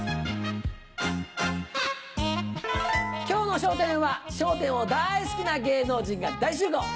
今日の『笑点』は『笑点』を大好きな芸能人が大集合。